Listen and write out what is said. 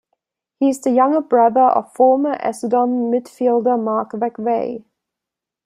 He is the younger brother of former Essendon midfielder Mark McVeigh.